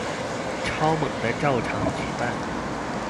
超猛的照常舉辦